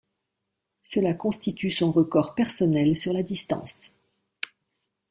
Cela constitue son record personnel sur la distance.